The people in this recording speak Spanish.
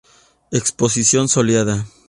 Exposición soleada.